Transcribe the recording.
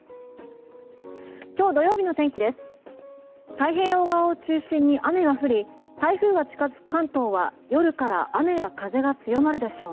太平洋側を中心に雨が降り台風が近付く関東は夜から雨や風が強まるでしょう。